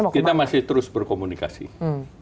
mau ke mana kita masih terus berkomunikasi hmm